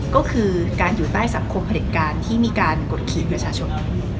ก็คือการอยู่ใต้สังคมผลิตการที่มีการกดขีดประชาชน